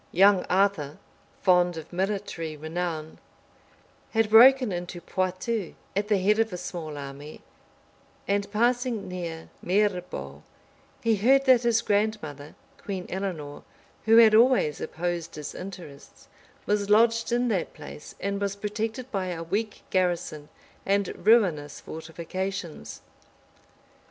Young Arthur, fond of military renown, had broken into Poictou at the head of a small army; and passing near Mirebeau, he heard that his grandmother, Queen Eleanor, who had always opposed his interests, was lodged in that place and was protected by a weak garrison and ruinous fortifications.